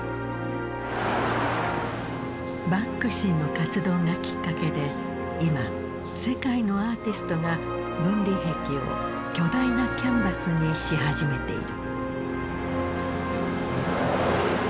バンクシーの活動がきっかけで今世界のアーティストが分離壁を巨大なキャンバスにし始めている。